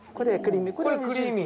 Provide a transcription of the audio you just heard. これクリーミー。